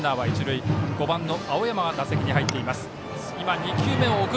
５番の青山が打席に入っています。